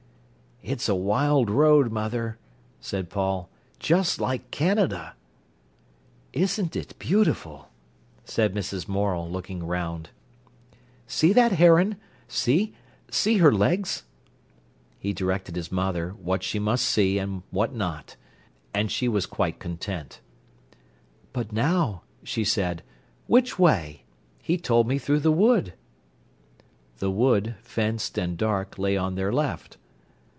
"It's a wild road, mother," said Paul. "Just like Canada." "Isn't it beautiful!" said Mrs. Morel, looking round. "See that heron—see—see her legs?" He directed his mother, what she must see and what not. And she was quite content. "But now," she said, "which way? He told me through the wood." The wood, fenced and dark, lay on their left.